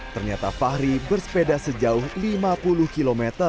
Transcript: ternyata fahri bersepeda sejauh lima puluh km